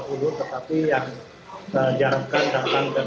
ppt nya seribu dua puluh tetapi yang jarangkan datang dari lima ratus dua puluh tujuh